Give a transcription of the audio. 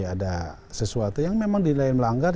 ada sesuatu yang memang dinilai melanggar